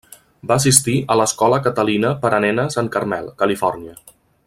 Va assistir a l'escola Catalina per a nenes en Carmel, Califòrnia.